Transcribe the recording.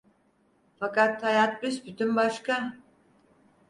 Fakat hayat büsbütün başka…